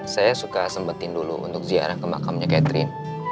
saya suka sempetin dulu untuk ziarah ke makamnya catherine